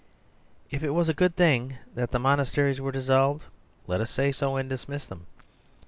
If it was a good thing that the monasteries were dissolved, let us say so and dismiss them.